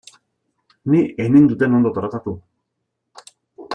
Ni ez ninduten ondo tratatu.